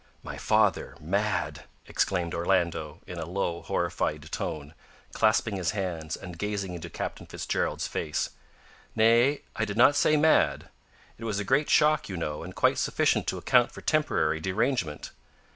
"My father mad!" exclaimed Orlando, in a low, horrified tone, clasping his hands, and gazing into Captain Fitzgerald's face. "Nay, I did not say mad. It was a great shock, you know, and quite sufficient to account for temporary derangement.